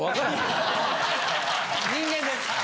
人間です。